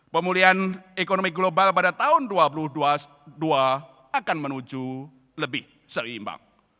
pemulihan ekonomi global pada tahun dua ribu dua puluh dua akan menuju lebih seimbang